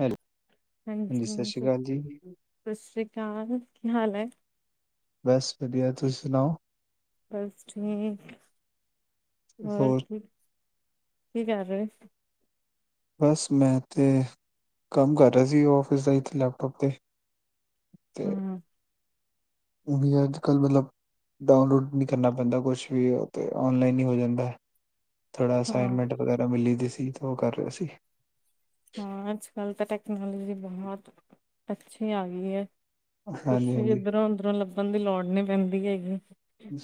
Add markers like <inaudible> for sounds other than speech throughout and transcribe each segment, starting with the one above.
Hello! ਹਾਂਜੀ ਸਾਸ੍ਰੀ ਕਾਲ ਜੀ ਸਸ਼੍ਰੀਕਾਲ, ਕੀ ਹਾਲ ਐ? ਬਸ ਵਧੀਆ, ਤੁਸੀਂ ਸੁਣਾਓ? ਬਸ ਠੀਕ! ਹੋਰ ਕੀ ਕੀ ਕਰ ਰੇ ਓ? ਬਸ ਮੈਂ ਤੇ ਕੰਮ ਕਰ ਰਿਆ ਸੀ ਓਫਿਸ ਦਾ ਇੱਥੇ ਲੈਪਟੋਪ ਤੇ। ਤੇ ਹੰ। ਵੀ ਅੱਜ ਕੱਲ੍ਹ ਮਲਬ ਡਾਊਨਲੋਡ ਨੀ ਕਰਨਾ ਪੈਂਦਾ ਕੁਛ ਵੀ, ਓ ਤੇ ਔਨਲਾਈਨ ਹੀ ਹੋ ਜਾਂਦੈ। ਥੋੜਾ ਹਾਂ, ਅਸਾਈਨਮੈਂਟ ਵਗੈਰਾ ਮਿਲੀ ਦੀ ਸੀ ਤੇ ਓ ਕਰ ਰਿਹਾ ਸੀ। ਹਾਂ ਅੱਜ ਕੱਲ ਤੇ ਟੈਕਨੋਲੋਜੀ ਬਹੁਤ ਅੱਛੀ ਆ ਗੀ ਐ। ਕੁਛ ਹਾਂਜੀ ਵੀ ਹਾਂਜੀ ਇੱਧਰੋਂ ਉਧਰੋਂ ਲੱਭਣ ਦੀ ਲੋੜ ਨੀ ਪੈਂਦੀ ਹੈਗੀ,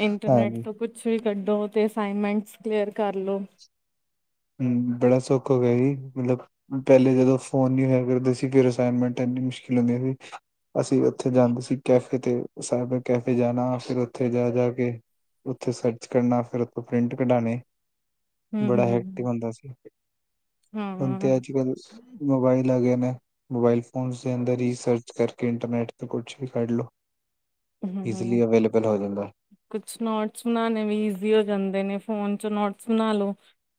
ਇੰਟਰਨੈਟ ਹਾਂਜੀ ਤੋਂ ਕੁਛ ਕੁਛ ਵੀ ਕੱਢੋ, ਤੇ ਅਸਾਈਨਮੈਂਟ ਕਲੀਅਰ ਕਰ ਲੋ। ਹੰ, ਬੜਾ ਸੌਖ ਹੋ ਗਿਆ ਜੀ ਮਲਬ ਪੈਲੇ ਜਦੋਂ ਫੋਨ ਨੀ ਹੋਇਆ ਕਰਦੇ ਸੀ ਫਿਰ ਅਸਾਈਨਮੈਂਟ ਇੰਨੀ ਮੁਸ਼ਕਿਲ ਹੁੰਦੇ ਸੀ। ਅਸੀਂ ਓਥੇ ਜਾਂਦੇ ਸੀ ਕੈਫੇ ਤੇ, ਸਾਈਬਰ ਕੈਫੇ ਜਾਣਾ ਫਿਰ ਓਥੇ ਜਾ-ਜਾ ਕੇ ਓਥੇ ਸਰਚ ਕਰਨਾ ਫਿਰ ਓਥੋਂ ਪ੍ਰਿੰਟ ਕਢਾਣੇ। ਬੜਾ ਹੰ-ਹੰ-ਹੰ। ਹੈਕਟਿਕ ਹੁੰਦਾ ਸੀ, ਹੁਣ ਤੇ ਅੱਜ ਕੱਲ ਮੋਬਾਈਲ ਆਗੇ ਨੇ। ਮੋਬਾਇਲ ਫੋਨਸ ਦੇ ਅੰਦਰ ਈ ਸਰਚ ਕਰਕੇ ਇੰਟਰਨੈਟ ਤੇ ਕੁਛ ਵੀ ਕੱਢ ਲੋ। ਅ ਹੰ। ਈਜ਼ਲੀ ਅਵੇਲੇਬਲ ਹੋ ਜਾਂਦਾ ਕੁਛ ਨੋਟਸ ਬਨਾਣੇ ਵੀ ਈਜ਼ੀ ਹੋ ਜਾਂਦੇ ਨੇ, ਫੋਨ 'ਚ ਨੋਟਸ ਬਣਾ ਲੋ।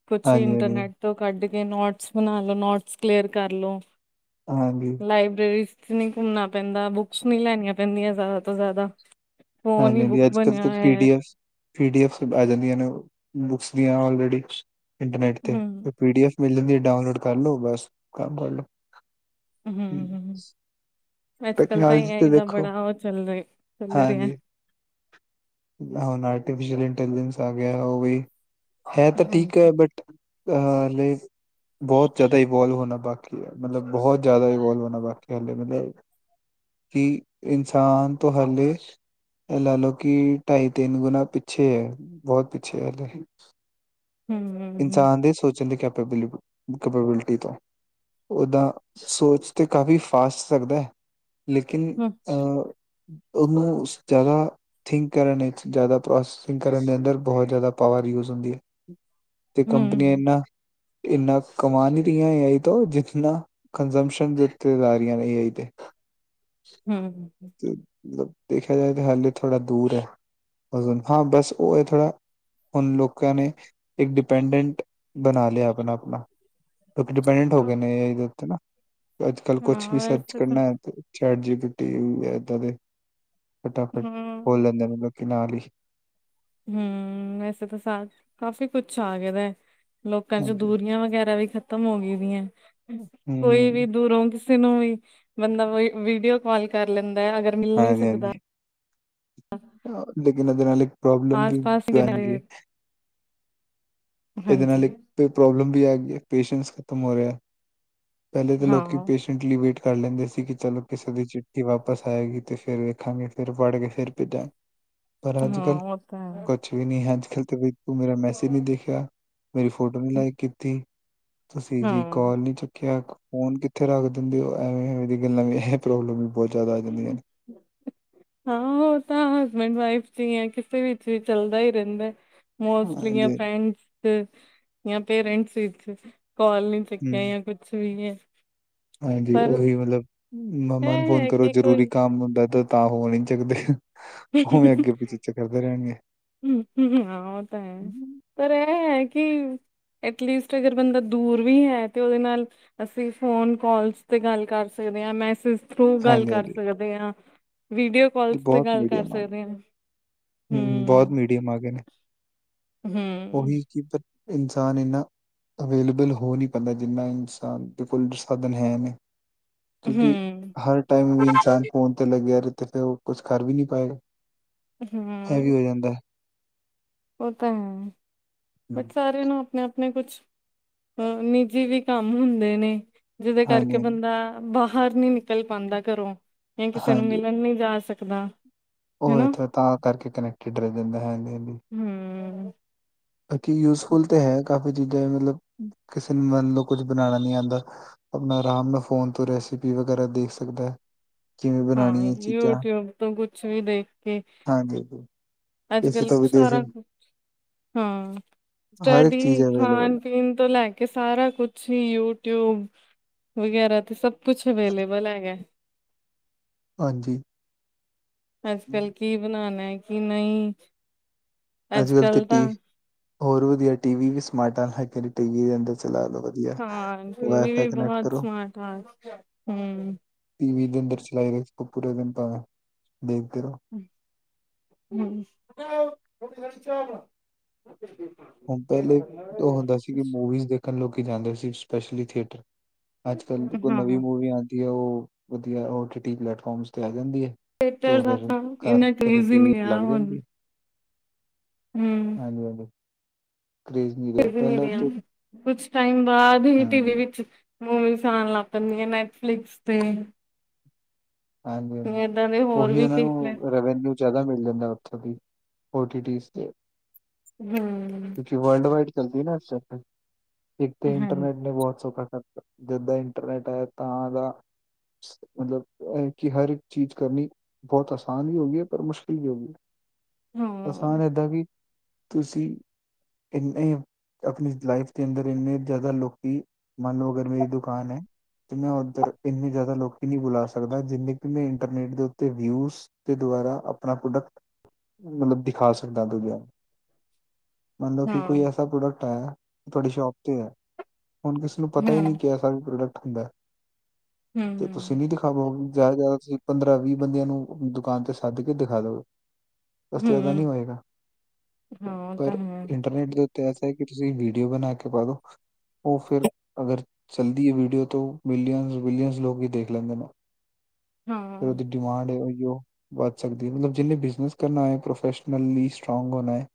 ਕੁਛ ਵੀ ਹਾਂਜੀ ਹਾਂਜੀ ਇੰਟਰਨੈੱਟ ਤੋਂ ਕੱਢ ਕੇ ਨੋਟਸ ਬਣਾ ਲੋ, ਨੋਟਸ ਕਲੀਅਰ ਕਰ ਲੋ। ਹਾਂਜੀ। ਲਾਇਬ੍ਰੇਰੀਜ਼ ਨਈਂ ਘੁੰਮਣਾ ਪੈਂਦਾ, ਬੁੱਕਸ ਨੀਂ ਲੈਣੀਆਂ ਪੈਂਦੀਆਂ ਜ਼ਿਆਦਾ ਤੋਂ ਜ਼ਿਆਦਾ। ਫੋਨ ਹੀ ਬੁੱਕ ਹਾਂਜੀ-ਹਾਂਜੀ, ਅੱਜ-ਕੱਲ੍ਹ ਬਣਿਆ ਤੇ ਹੋਇਆ ਪੀ ਹੈ D F P D F ਆ ਜਾਂਦੀਆਂ ਨੇ ਬੁਕਸ ਦੀਆਂ ਆਲਰੇਡੀ ਇੰਟਰਨੈਟ ਤੇ। ਹਮ ਪੀ ਡੀ ਐਫ ਮਿਲ ਜਾਂਦੀ ਏ, ਡਾਊਨਲੋਡ ਕਰ ਲੋ, ਬਸ ਕੰਮ ਕਰ ਲੋ। ਅੱਜ-ਕੱਲ ਤਾਂਈ ਟੈਕਨੋਲੋਜੀ ਐ ਤੇ ਇੱਦਾਂ ਦੇਖੋ ਬੜਾਓ ਚੱਲ ਰੇ, ਚੱਲ ਰੇ ਐਂ। ਆ ਹੁਣ ਆਰਟੀਫਿਸ਼ਅਲ ਇੰਟੈਲੀਜੈਂਸ ਆ ਗਿਆ ਓ ਵੀ, ਹੈ ਤਾਂ ਠੀਕ ਹਾਂਜੀ ਐ ਬਟ ਅ ਲ <unintelligible> ਬਹੁਤ ਜ਼ਿਆਦਾ ਇਵੋਲਵ ਹੋਣਾ ਬਾਕੀ ਹੈ। ਮਤਲਬ ਬਹੁਤ ਜ਼ਿਆਦਾ ਇਵੋਲਵ ਹੋਣਾ ਬਾਕੀ। ਹਾਲੇ ਮਤਲਬ ਕਿ ਇਨਸਾਨ ਤੋਂ ਹਾਲੇ, ਲਾ ਲਓ ਕਿ ਢਾਈ- ਤਿੰਨ ਗੁਣਾ ਪਿੱਛੇ ਹੈ। ਬਹੁਤ ਪਿੱਛੇ ਹਮ ਇਨਸਾਨ ਦੇ, ਸੋਚਣ ਦੀ ਕੈਪੇਬਲੀ ਕੈਪੇਬਿਲਿਟੀ ਤੋਂ, ਓਦਾਂ ਸੋਚ ਤਾਂ ਕਾਫੀ ਫਾਸਟ ਸਕਦਾ ਹੈ। ਲੇਕਿਨ ਹਮ ਅਹ, ਉਹਨੂੰ ਜ਼ਿਆਦਾ ਥਿੰਕ ਕਰਨ ਚ, ਜ਼ਿਆਦਾ ਪ੍ਰੋਸੈਸਿੰਗ ਕਰਨ ਦੇ ਅੰਦਰ ਬਹੁਤ ਜ਼ਿਆਦਾ ਪਾਵਰ ਯੂਜ ਹੁੰਦੀ ਹੈ। ਤੇ ਕੰਪਨੀਆਂ, ਹਮ ਇਨਾ-ਇਨਾ ਕਮਾਨਦੀਆ ਰਹੀਆਂ, ਏ ਆਈ ਤੋਂ ਜਿਨਾ। ਕੰਜੰਸ਼ਨ ਦੇ ਉਤੇ ਜਾ ਰਹੀਆਂ ਨੇ ਏਆਈ ਤੇ ਹਮ ਮਤਲਬ ਦੇਖਿਆ ਜਾਏ ਤਾਂ, ਹਾਲੇ ਥੋੜਾ ਦੂਰ ਹੈ। ਹਾਂ, ਬਸ ਓ ਏਥੇ ਹੈ। ਹੁਣ ਲੋਕਾਂ ਨੇ ਇੱਕ ਡਿਪੈਂਡੈਂਟ ਬਣਾ ਲਿਆ। ਆਪਣਾ- ਆਪਣਾ ਲੋਕ ਡਿਪੈਂਡੈਂਟ ਹੋ ਗਏ ਹਾਂ ਨੇ, ਇਹ ਉੱਤੇ ਨਾ ਅੱਜ ਕੱਲ ਕੁਛ ਹਾਂ ਵੀ ਸਰਚ ਵੈਸੇ ਤਾਂ ਕਰਨਾ ਹੈ ਤੇ ਚੈਟ ਜੀ ਪੀਟੀ ਹੈ, ਏਦਾਂ ਦੇ ਫਟਾਫਟ ਖੋਲ ਹਮ ਲੈਂਦੇ ਨੇ, ਮਤਲਬ ਕਿ ਨਾਲ ਹੀ ਹਮ, ਵੈਸੇ ਤਾਂ ਸ ਕਾਫ਼ੀ ਕੁੱਛ ਆ ਗਿਆ ਦਾ ਏ। ਲੋਕਾਂ ਚ, ਹਾਂਜੀ ਦੂਰੀਆਂ ਵਗੈਰਾ ਵੀ ਖ਼ਤਮ ਹੋ ਗਈਆਂ, ਕੋਈ ਵੀ ਹੂੰ ਦੂਰੋਂ ਕਿਸੇ ਨੂੰ ਵੀ ਬੰਦਾ ਵੀਡੀਓ ਕਾਲ ਕਰ ਲੈਂਦਾ ਹੈ, ਅਗਰ ਮਿਲ ਨੀ ਸਕਦਾ। ਹਾਂਜੀ-ਹਾਂਜੀ ਲੇਕਿਨ ਇਹਦੇ ਨਾਲ ਇੱਕ ਪ੍ਰੋਬਲਮ ਆਸ ਕੀ ਪਾਸ ਹੀ ਨੇ। ਕਹਿ ਗੇ। ਇਹਦੇ ਨਾਲ ਹਾਂਜੀ ਇੱਕ ਪ੍ਰੋਬਲਮ ਵੀ ਆ ਗਈ ਹ। ਪੇਸ਼ੈਂਸ ਖਤਮ ਹੋ ਰਿਹਾ। ਪਹਿਲੇ ਤਾਂ ਹਾਂ ਲੋਕੀ ਪੇਸ਼ੈਸ-ਤ ਟਲੀ ਵੇਟ ਕਰ ਲੈਂਦੇ ਸੀ। ਕਿ ਚਲੋ ਕਿਸੇ ਦੀ ਚਿੱਠੀ ਵਾਪਸ ਆਏਗੀ, ਤੇ ਫੇਰ ਵੇਖਾਂਗੇ। ਫਿਰ ਪੜ੍ਹ ਕੇ ਫਿਰ ਭੇਜਾਂਗੇ। ਪਰ ਅੱਜ -ਕੱਲ੍ਹ ਹਾਂ ਉਹ ਤਾਂ ਹੈ ਕੁਛ ਵੀ ਨਹੀਂ ਅੱਜ-ਕੱਲ ਤੇ, ਤੂੰ ਮੇਰਾ ਮੈਸੇਜ ਨਈ ਦੇਖਿਆ, ਮੇਰੀ ਫੋਟੋ ਨੀ ਲਾਈਕ ਕੀਤੀ ਤੁਸੀਂ ਜੀ, ਹਾਂ ਕੋਲ ਨੀ ਚੁੱਕਿਆ। ਫੋਨ ਕਿੱਥੇ ਰੱਖ ਦਿੰਦੇ ਹੋ। ਐਵੇਂ- ਐਵੇਂ ਦੀ ਗੱਲਾਂ ਵੀ ਪ੍ਰੋਬਲਮ ਵੀ ਬਹੁਤ ਜ਼ਿਆਦਾ ਆ ਜਾਂਦੀਆਂ। ਹਾਂ। ਉਹ ਤਾਂ ਹਸਬੈਂਡ ਵਾਈਫ ਚ, ਹੀ ਯਾ ਕਿਸੇ ਵਿੱਚ ਵੀ ਚੱਲਦਾ ਹੀ ਰਹਿੰਦਾ। ਮੋਸਟਲੀ ਜਾਂ ਹਾਂਜੀ ਫਰੈਂਡਸ ਚ, ਜਾਂ ਪੇਰੈਂਟਸ ਵਿੱਚ ਕੋਲ ਹੂੰ, ਕਿਆ ਕੁੱਛ ਵੀ ਹੈ। ਹਾਂਜੀ, ਪਰ ਉਹੀ ਮਤਲਬ ਮਮਾ ਨੂੰ ਇਹ ਫੋਨ ਹੈ ਕਰੋ, ਕਿ ਜਰੂਰੀ ਕੋਈ ਕੰਮ ਹੁੰਦਾ ਤੋਂ ਤਾਂ ਫ਼ੋਨ ਨੀ ਚਕਦੇ। ਹ ਹ ਹਾਂ ਉਹ ਤਾਂ ਹੈ। ਪਰ ਇਹ ਹੈ। ਕਿ ਐਟਲੀਸਟ ਅਗਰ ਬੰਦਾ ਦੂਰ ਵੀ ਹੈ, ਤੇ ਉਹਦੇ ਨਾਲ ਅਸੀਂ ਫੋਨ ਕਾਲਸ ਤੇ ਗੱਲ ਕਰ ਸਕਦੇ ਹਾ। ਮੈਸਜ ਥਰੂ ਗੱਲ ਕਰ ਹਾਂਜੀ-ਹਾਂਜੀ ਸਕਦੇ ਹਾਂ। ਵੀਡੀਓ ਕੋਲਸ ਤੋਂ ਬਹੁਤ ਗੱਲ ਕਰ ਮੀਡੀਅਮ ਆ ਗਏ। ਸਕਦੇ ਹਾਂ। ਹੂੰ ਬਹੁਤ ਹਮ ਮੀਡੀਅਮ ਆ ਗਏ ਨੇ ਉਹੀ ਕਿ ਇਨਸਾਨ ਇਨਾ ਅਵੇਲੇਬਲ ਹੋ ਨਹੀਂ ਪੈਂਦਾ, ਜਿੰਨਾ ਇਨਸਾਨ ਦੇ ਕੋਲ ਸਾਧਨ ਹੈ। ਨੇ ਕਿਉਂਕਿ ਹੂੰ, ਹਰ ਟਾਈਮ ਵੀ ਇਨਸਾਨ ਫੋਨ ਤੇ ਲੱਗਿਆ ਰਹੇ, ਤੇ ਫਿਰ ਉਹ ਕੁਛ ਕਰ ਵੀ ਨੀ ਪਾਏਗਾ। ਇਹ ਵੀ ਹਮ ਹੋ ਜਾਂਦਾ ਉਹ ਤਾਂ ਹੈ, ਹਾਂਜੀ-ਹਾਂਜੀ। ਬਟ ਸਾਰਿਆਂ ਨੂੰ ਆਪਣੇ-ਆਪਣੇ ਕੁਛ ਅ ਨਿੱਜੀ ਵੀ ਕੰਮ ਹੁੰਦੇ ਨੇ। ਜਿਹਦੇ ਹਾਂਜੀ ਕਰਕੇ ਹਾਂਜੀ ਬੰਦਾ ਬਾਹਰ ਨੀ ਨਿਕਲ ਪਾਉਂਦਾ ਘਰੋਂ, ਜਾਂ ਕਿਸੇ ਨੂੰ ਹਾਂਜੀ ਮਿਲਣ ਨਈ ਜਾ ਸਕਦਾ। ਉਹ ਹਨਾ ਇੱਥੇ ਤਾਂ ਕਰਕੇ ਕਨੈਕਟਿਡ ਰਹਿ ਜਾਂਦੇ ਹੈਗੇ ਵੀ ਹਮ ਬਾਕੀ ਯੂਜਫੁਲ ਤੇ ਹੈ। ਕਾਫ਼ੀ ਚੀਜ਼ਾਂ ਮਤਲਬ, ਕਿਸੇ ਨੂੰ ਮੰਨ ਲਓ। ਕੁਝ ਬਣਾਉਣਾ ਨੀ ਆਉਂਦਾ। ਅਪਣਾ ਆਰਾਮ ਨਾਲ ਫ਼ੋਨ ਤੋਂ ਰੈਸਪੀ ਵਗੈਰਾ ਦੇਖ ਸਕਦਾ ਹੈ। ਕਿਵੇਂ ਹਾਂ ਬਣਾਣੀ ਹੈ ਚੀਜ਼ਾਂ ਯੂਟਿਊਬ ਤੋਂ ਕੁਛ ਵੀ ਹਾਂਜੀ ਅੱਜ ਇਸੇ -ਕੱਲ ਤੋਂ ਵੀ ਦੇਖ ਸਾਰਾ ਕੁਛ ਹਾਂ, ਹਰ ਇੱਕ ਚੀਜ਼ ਸਟਡੀ ਅਵੇਲੇਬਲ ਖਾਣ ਹੈ ਪੀਣ ਤੋਂ ਲੈਕੇ ਕਿ ਸਾਰਾ ਕੁਛ ਹੀ ਯੂਟਿਊਬ ਵਗੈਰਾ ਤੇ ਸਭ ਕੁਛ ਅਵੇਲੇਬਲ ਹੈਗਾ। ਹਾਂਜੀ। ਅੱਜ ਕੱਲ੍ਹ ਕੀ ਬਣਾਉਣਾ, ਕਿ ਨਹੀਂ। ਅੱਜ ਕੱਲ ਤੋਂ ਟੀਵੀ ਹੋਰ ਵਧੀਆ ਟੀਵੀ ਵੀ ਸਮਾਰਟ ਹੈਗੇ ਨੇ, ਟੀਵੀ ਅੰਦਰ ਚਲਾ ਕੇ ਦੇ ਹਾਂ ਟੀ -ਵੀ ਬਹੁਤ ਸਮਾਰਟ ਆ ਹਮ। ਟੀ ਵੀ ਦੇ ਅੰਦਰ ਚਲਾਈ ਰਹੇ ਸੀ। ਪੂਰੇ ਦਿਨ ਭਾਵੇਂ ਦੇਖਦੇ ਰਹੋ। <unintelligible> ਹੁਣ ਪਹਿਲੇ ਉਹ ਹੁੰਦਾ ਸੀ, ਕਿ ਮੂਵੀਜ਼ ਦੇਖਣ ਲੋਕ ਜਾਂਦੇ ਸੀ ਸਪੈਸ਼ਲੀ ਥੀਏਟਰ। ਅੱਜ-ਕਲ ਨਵੀਂ ਹਾਂ ਮੂਵੀ ਆਉਂਦੀ ਹੈ, ਉਹ ਵਧੀਆ ਟੀ ਟੀ ਪਲੈਟਫਾਰਮ ਤੇ ਆ ਜਾਂਦੀ ਹੈ। ਤੇ ਥੀਏਟਰ ਔਹ ਦਾ ਫੇਰ ਤਾਂ ਘਰ ਇੰਨਾ ਘਰੇ ਕਰੇਜ਼ ਹੀ ਟੀ ਨਹੀਂ ਵੀ ਚ ਰਿਹਾ ਲੱਗ ਹੁਣ ਜਾਂਦੀ ਆ। ਹੂੰ ਹਾਂਜੀ, ਹਾਂਜੀ। ਕਰੇਜ਼ ਨਹੀਂ ਫਿਰ ਰਿਹਾ ਵੀ ਪਹਿਲਾਂ ਮਿਲਿਆ, ਤਾਂ ਕੁਛ ਟਾਈਮ ਬਾਅਦ ਹੀ ਟੀਵੀ ਹਮ ਵਿੱਚ ਮੂਵੀਸ ਆਣਾ ਲਾਗ ਪੈਂਦੀ ਆ, ਨੈਟਫਲਿਕਸ ਤੇ। ਹਾਂਜੀ, ਹਾਂਜੀ ਏਦਾਂ ਦੇ ਹੋਰ ਉਹੀ ਵੀ ਉਹਨਾਂ ਕਈ ਪਲੈ ਨੂੰ ਰੈਵਨਿਊ ਜ਼ਿਆਦਾ ਮਿਲ ਜਾਂਦਾ ਉੱਥੋਂ ਦੀ ਓਟੀਟੀਸ ਤੇ। ਹਮ। ਕਿਉਂਕਿ ਵਰਲਡ ਵਾਈਡ ਚੱਲਦੀ ਨਾ ਇਸ ਕਾਰਕੇ, ਇੱਕ ਤਾਂ ਹਾਂ ਇੰਟਰਨਟ ਬਹੁਤ ਸੋਖਾ ਕਰ ਜਿੱਦਾਂ ਇੰਟਰਨੈਟ ਆਇਆ, ਤਾਂ ਦਾ ਮਤਲਬ ਔਹ ਹੈ ਕਿ ਹਰ ਇੱਕ ਚੀਜ਼ ਕਰਨੀ ਬਹੁਤ ਆਸਾਨ ਵੀ ਹੋ ਗਈ ਹੈ, ਪਰ ਮੁਸ਼ਕਿਲ ਵੀ ਹੋ ਗਈ। ਹਾਂ ਆਸਾਨ ਏਦਾਂ ਵੀ, ਤੁਸੀਂ ਇਨੇ ਆਪਣੀ ਲਾਈਫ ਦੇ ਅੰਦਰ ਇੰਨੇ ਜ਼ਿਆਦਾ ਲੋਕੀ, ਮੰਨ ਲੋ ਅਗਰ ਮੇਰੀ ਦੁਕਾਨ ਹੈ। ਤੇ ਮੈਂ ਔਧਰ ਇੰਨੇ ਜ਼ਿਆਦਾ, ਲੋਕ ਵੀ ਨਹੀਂ ਬੁਲਾ ਸਕ ਕਦਾ, ਜਿੰਨੇ ਕਿ ਮੈਂ ਇੰਟਰਨੈਟ ਦੇ ਉੱਤੇ ਵਿਊਸ ਦੇ ਦੁਆਰਾ ਆਪਣਾ ਪ੍ਰੋਡਕਟ ਮਤਲਬ ਦਿਖਾ ਸਕਦਾ ਦੂਜਿਆਂ ਨੂੰ। ਮੰਨਲਓ ਕਿ ਕੋਈ ਹਾਂ ਐਸਾ ਪ੍ਰੋਡਕਟ ਹੈ ਤੁਹਾਡੀ ਸ਼ੋਪ ਤੇ ਹੈ, ਹੁਣ ਕਿਸ ਉਹਨੂੰ ਪਤਾ ਹੀ ਹੂੰ ਨਹੀਂ, ਕਿ ਏਸਾ ਵੀ ਪ੍ਰੋਡਕਟ ਹੁੰਦਾ ਹੈ। ਹਮ ਤੁਸੀਂ ਨਹੀਂ ਦੇਖਾ ਤਾ ਹੁਣ ਜ਼ਿਆਦਾ ਤੁਸੀਂ, ਪੰਦਰਾਂ ਵੀਹ ਬੰਦਿਆਂ ਨੂੰ ਦੁਕਾਨ ਤੇ ਸੱਦ ਕੇ ਦਿਖਾ ਦਵੋ। ਉਸ ਤੋ ਜ਼ਿਆਦਾ ਨਹੀਂ ਹੂੰ ਹੋਏਗਾ, ਹਾਂ ਉਹ ਤਾਂ ਪਰ ਹੈ ਇੰਟਰਨੈਟ ਦੇ ਉੱਤੇ ਐਸ ਕਿ ਤੁਸੀਂ ਵੀਡੀਓ ਬਣਾ ਕੇ ਪਾ ਦੋ ਉਹ ਫਿਰ ਅਗਰ ਚੱਲਦੀ ਹੈ ਵੀਡੀਓ, ਤਾਂ ਬਿਲੀਅਨ ਵਿਲੀਅਨਸ ਲੋਕ ਹੀ ਦੇਖ ਲੈਂਦੇ ਨਾ। ਜੋ ਹਾਂ ਉਹਦੀ ਡਿਮਾਂਡ ਉਹੀਓ ਵੱਧ ਸਕਦੀ ਹੈ, ਮਤਲਬ, ਜਿੰਨੇ ਬਿਜਨਸ ਕਰਨਾ ਹੈ ਪ੍ਰੋਫੈਸ਼ਨਲੀ ਸਟਰਾਂਗ ਹੋਣਾ ਹੈ।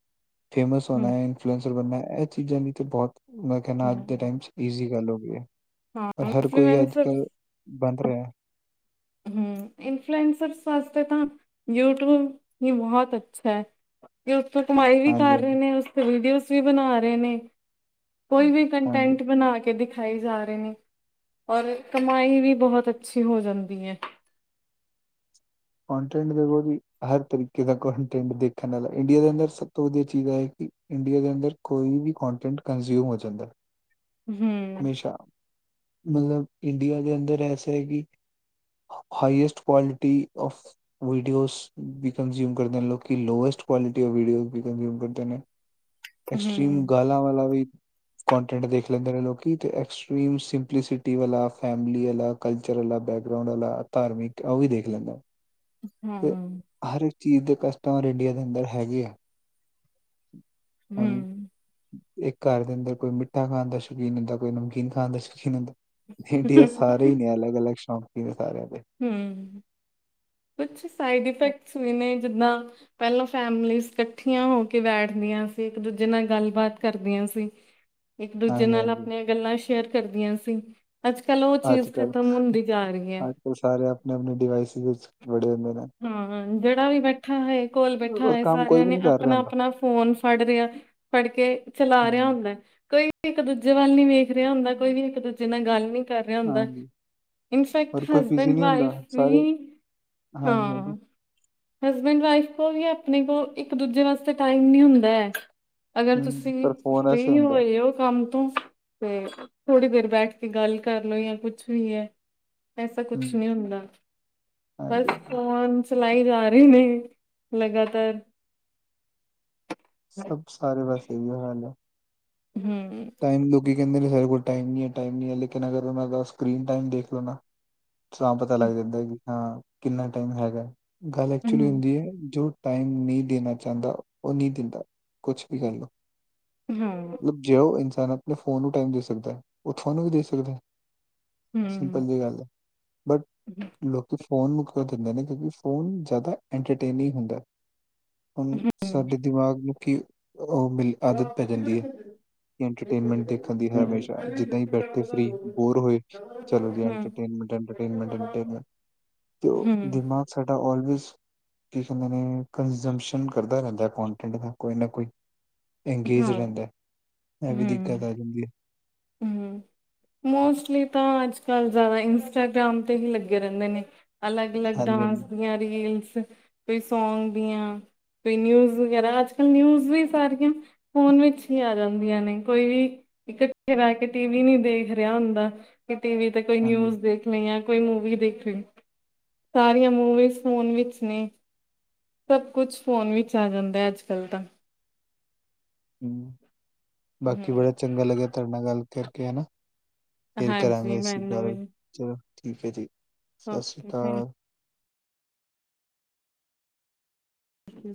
ਫੇਮਸ ਹੋਣਾ, ਹੂੰ ਇਨਫੂਲੈਂਸਰ ਬਣਨਾ ਇਹ ਚੀਜ਼ਾਂ ਨੇ ਤੇ ਬਹੁਤ, ਮੈਂ ਕਹਿਣਾ ਅੱਜ ਹੂੰ ਦੇ ਟਾਈਮ ਚ ਈਜ਼ੀ ਗੱਲ ਹੋ ਗਈ ਹੈ, ਹਾਂ ਪਰ ਹਰ ਕੋਈ ਅੱਜ-ਕੱਲ੍ਹ ਬੰਦ ਰਿਹਾ ਏ। ਹਮ, ਇਨਫਲੂਐਂਸਰ ਵਾਜਤੇ ਤਾ ਯੂਟੀਊਬ ਵੀ ਬਹੁਤ ਅੱਛਾ ਹੈ। ਤੇ ਉਥੋਂ ਕਮਾਈ ਵੀ ਹਾਂਜੀ ਕਰ ਰਹੇ ਹਾਂਜੀ ਨੇ, ਉਸ ਤੇ ਵੀਡੀਓਜ਼ ਵੀ ਬਣਾ ਰਹੇ ਨੇ। ਕੋਈ ਵੀ ਹਾਂਜੀ ਕੰਟੈਂਟ ਬਣਾ ਕੇ ਦਿਖ ਦਿਖਾਈ ਜਾ ਰਹੇ ਨੇ, ਔਰ ਕਮਾਈ ਵੀ ਬਹੁਤ ਅੱਛੀ ਹੋ ਜਾਂਦੀ ਹੈ। ਕੋਂਟੈਂਟ ਦੇਖੋ ਵੀ ਹਰ ਤਰੀਕੇ ਦਾ ਕੋਂਟੈਂਟ ਦੇਖਣ ਵਾਲਾ ਇੰਡੀਆ ਦੇ ਅੰਦਰ, ਸਭ ਤੋਂ ਵਧੀਆ ਚੀਜ਼ ਹੈ ਕਿ, ਇੰਡੀਆਂ, ਦੇ ਅੰਦਰ ਕੋਈ ਵੀ ਕੋਂਟੈਂਟ ਕੰਨਜ਼ਿਊਮ ਹੋ ਜਾਂਦਾ‌ ਹੂੰ ਹਮੇਸ਼ਾ ਮਤਲਬ ਇੰਡੀਆ ਦੇ ਅੰਦਰ ਐਸਾ ਹੈ। ਕਿ ਹਾਈਐਸਟ, ਕੁਆਾਲਿਟੀ, ਔਫ ਵੀਡੀਓਜ਼ ਵੀ ਕੰਜਊਮ ਕਰਦੇ ਲੋਐਸਟ ਕੁਆਲਿਟੀ ਕਰਦੇ ਵੀਡੀਓ ਵੀ ਕੰਜਊਮ ਕਰਦੇ ਨੇ <unintelligible> ਐਕਸਟ੍ਰਰੀਮ, ਗਾਲਾਂ ਵਾਲਾ ਵੀ, ਕੋਂਟੈਂਟ ਦੇਖ ਲੈਂਦੇ ਨੇ ਲੋਕ। ਕੀ ਤੇ ਐਕਸਟ੍ਰੀਮ, ਸਿੰਪਲੀਸਿਟੀ ਵਾਲਾ, ਫੈਮਲੀ ਵਾਲਾ, ਕਲਚਰ ਵਾਲਾ, ਬੈਕਗਰਾਾਊਂਡ ਵਾਲਾ, ਧਾਰਮਿਕ, ਉਹ ਵੀ ਦੇਖ ਲੈਂਦਾ। ਹਾਂ ਤੇ ਹਰ ਇੱਕ ਚੀਜ਼ ਦੇ ਕਸਟਮਰ ਇੰਡੀਆ ਦੇ ਅੰਦਰ ਹੈਗੇ ਆ। ਹੁਣ, ਇੱਕ ਘਰ ਦੇ ਅੰਦਰ ਕੋਈ, ਮਿੱਠਾ ਖਾਣ ਦਾ ਸ਼ੌਕੀਨ ਹੁੰਦਾ, ਕੋਈ ਨਮਕੀਨ ਖਾਣ ਦਾ ਸ਼ੌਕੀਨ ਹੁੰਦਾ। ਇੰਡੀਆ ਸਾਰੇ ਹੀ ਨੇ ਅਲੱਗ ਅਲੱਗ ਸ਼ੌਕ ਹੀ ਨੇ ਸਾਰਿਆਂ ਦੇ ਹੂੰ ਕੁਛ ਸਾਈਡ ਇਫੈਕਟਸ ਵੀ ਨੇ ਜਿੱਦਾਂ ਪਹਿਲਾਂ ਫੈਮਲੀਜ਼ ਇਕੱਠੀਆਂ ਹੋ ਕੇ ਬੈਠਦੀਆਂ ਸੀ ਇੱਕ ਦੂਜੇ ਨਾਲ ਗੱਲਬਾਤ ਕਰਦੀਆਂ ਸੀ ਇੱਕ ਦੂਜੇ ਹਾਂਜੀ ਨਾਲ ਹਾਂਜੀ ਆਪਣੀਆਂ ਗੱਲਾਂ ਸ਼ੇਅਰ ਕਰਦੀਆਂ ਸੀ ਅੱਜ ਕਲ ਉਹ ਚੀਜ਼ ਖ਼ਤਮ ਹੁੰਦੀ ਜਾ ਰਹੀ ਹੈ ਉਹ ਸਾਰੇ ਆਪਣੇ ਆਪਣੇ ਡਿਵਾਈਸਿਸ ਵਿੱਚ ਵੜੇ ਹੁੰਦੇ ਨੇ ਹਾਂ ਜਿਹੜਾ ਵੀ ਬੈਠਾ ਹੈ ਕੋਲ ਬੈਠਾ ਹੈ ਸਾਰੀਆਂ ਨੇ ਆਪਣਾ ਹੁੰਦਾ ਆਪਣਾ ਫੋਨ ਫੜ ਰਿਹਾ ਫੜ ਕੇ ਚਲਾ ਹਾਂ। ਰਿਹਾ ਹੁੰਦਾ ਕੋਈ ਇੱਕ ਦੂਜੇ ਵੱਲ ਨੀ ਵੇਖ ਰਿਹਾ ਹੁੰਦਾ ਕੋਈ ਹੂੰ, ਵੀ ਇੱਕ ਦੂਜੇ ਨਾਲ ਗੱਲ ਹੂੰ। ਨੀ ਕਰ ਰਿਹਾ ਹੁੰਦਾ ਹਾਂਜੀ, ਇਨਫੈਕਟ ਔਰ ਕੋਈ ਬਿਜ਼ੀ ਹਸਬੈਂਡ ਨਹੀਂ ਹੁੰਦਾ ਵਾਈਫ ਵੀ ਸਾਰੇ ਹਾਂਜੀ, ਹਾਂਜੀ ਹਾਂ ਹਸਬੈਂਡ ਵਾਈਫ ਕੋਲ ਵੀ ਆਪਣੇ ਕੋਲ ਇੱਕ ਦੂਜੇ ਵਾਸਤੇ ਟਾਈਮ ਨੀ ਹੁੰਦਾ ਐ ਅਗਰ ਹੂੰ, ਤੁਸੀਂ ਪਰ ਫੋਨ ਐਸੇ ਫਰੀ ਹੁੰਦਾ ਹੋਏ ਹੋ ਕੰਮ ਤੇ ਥੋੜੀ ਦੇਰ ਬੈਠ ਕੇ ਗੱਲ ਕਰਲੋ ਜਾਂ ਕੁਛ ਵੀ ਹੈ ਐਸਾ ਕੁਛ ਹੂੰ, ਨਹੀਂ ਹੁੰਦਾ ਬਸ ਹਾਂਜੀ, ਹਾਂਜੀ ਫੋਨ ਚਲਾਏ ਜਾ ਰਹੇ ਨੇ ਲਗਾਤਾਰ ਸਭ ਸਾਰੇ ਬਸ ਇਹਿਓ ਹਾਲ ਏ ਹੂੰ ਟਾਈਮ ਲੋਕੀ ਕਹਿੰਦੇ ਨੇ ਸਾਡੇ ਕੋਲ ਟਾਈਮ ਨਈ ਹੈ ਸਾਡੇ ਕੋਲ ਟਾਈਮ ਨਹੀਂ ਹੈ ਲੇਕਿਨ ਅਗਰ ਉਹਨਾਂ ਦਾ ਸਕਰੀਨ ਟਾਈਮ ਦੇਖ ਲਓ ਨਾ। ਸਾਫ ਪਤਾ ਲੱਗ ਜਾਂਦਾ ਕਿ ਹਾਂ ਕਿੰਨਾ ਟਾਈਮ ਹੈਗਾ ਗੱਲ ਐਕਚੁਲੀ ਹਮ ਹੁੰਦੀ ਹੈ ਜੋ ਟਾਈਮ ਨਹੀਂ ਦੇਣਾ ਚਾਹੁੰਦਾ ਉਹ ਨਹੀਂ ਦਿੰਦਾ ਕੁਛ ਵੀ ਕਰ ਲਓ ਹਾਂ ਉਹ ਇਨਸਾਨ ਆਪਣੇ ਫੋਨ ਨੂੰ ਟਾਈਮ ਦੇ ਸਕਦਾ ਹੈ ਉਹ ਥੁਹਾਨੂੰ ਵੀ ਦੇ ਸਕਦਾ ਹੂੰ ਸਿੰਪਲ ਜਿਹੀ ਗੱਲ ਆ ਬਟ ਲੋਕੀ ਫੋਨ ਨੂੰ ਕਿਉ ਦਿੰਦੇ ਨੇ ਕਿਉਂਕਿ ਫੋਨ ਜ਼ਿਆਦਾ ਐਂਟਰਟੇਨਿੰਗ ਹੁੰਦਾ ਹੁਣ ਹਮ ਹਮ ਸਾਡੇ ਦਿਮਾਗ ਨੂੰ ਕੀ ਉਹ ਮਿਲ ਹ ਖੇਤੀ <unintelligible> ਇੰਟਰਟੇਨਮੈਂਟ ਦੇਖਣ ਦੀ ਹਮੇਸ਼ਾ ਜਿੱਦਾਂ ਹੀ ਬੈਠੇ ਫਰੀ ਬੋਰ ਹੋਏ ਚੱਲੋ ਜੀ ਹਮ ਐਂਟਰਟੇਨਮੈਂਟ ਐਂਟਰਟੇਨਮੈਂਟ ਤੇ ਦਿਮਾਗ ਸਾਡਾ ਆਲਵੇਜ ਕੀ ਕਹਿੰਦੇ ਨੇ ਕੰਜਮਸ਼ਨ ਕਰਦਾ ਰਹਿੰਦਾ ਕੋਂਟੈਂਟ ਦਾ ਕੋਈ ਨਾ ਕੋਈ ਇੰਗੇਜ ਹਮ ਰਹਿੰਦਾ ਇਹ ਵੀ ਦਿੱਕਤ ਆ ਜਾਂਦੀ ਹੈ ਹੂੰ ਮੋਸਟਲੀ ਤਾਂ ਅੱਜ-ਕੱਲ੍ਹ ਜਾਦਾ ਇੰਸਟਾਗ੍ਰਾਮ ਤੇ ਹੀ ਲੱਗੇ ਰੈੰਦੇ ਨੇ। ਅਲੱਗ-ਅਲੱਗ ਹਾਂਜੀ ਡਾਂਸ ਹਾਂਜੀ ਦੀਆਂ ਰੀਲਸ ਕੋਈ ਸੌਗ ਦੀਆਂ ਕੋਈ ਨਿਊਜ ਵਗੈਰਾ ਅੱਜ-ਕਲ ਨਿਊਜ ਵੀ ਸਾਰੀਆਂ ਫੋਨ ਵਿੱਚ ਹੀ ਆ ਜਾਂਦੀਆਂ ਨੇ ਕੋਈ ਵੀ ਇਕੱਠੇ ਬੈ ਕੇ ਟੀ ਵੀ ਨੀ ਦੇਖ ਰੇਹਾ ਹੁੰਦਾ ਵੀ ਟੀਵੀ ਤੇ ਕੋਈ ਹਾਂਜੀ ਨਿਊਜ਼ ਦੇਖ ਣੀ ਆ ਕੋਈ ਮੂਵੀ ਦੇਖਣੀ ਸਾਰੀਆਂ ਮੂਵੀਜ਼ ਫੋਨ ਵਿੱਚ ਨੇ। ਸਭ ਕੁਛ ਫੋਨ ਵਿੱਚ ਆ ਜਾਂਦਾ ਅੱਜ-ਕੱਲ ਤਾਂ। ਹੂੰ ਬਾਕੀ ਬੜਾ ਹੂੰ ਚੰਗਾ ਲੱਗਿਆ ਤੁਆਡੇ ਨਾਲ ਗੱਲ ਕਰਕੇ ਐ ਨਾ। ਫਿਰ ਕਰਾਂਗੇ ਹਾਂਜੀ ਅਸੀਂ ਮੈਨੂੰ ਗੱਲ ਵੀ ਚਲੋ ਠੀਕ ਐ ਜੀ ਸਾਸ ਸ੍ਰੀ ਓਕੇ ਥੈਂਕ ਕਾਲ। ਯੂ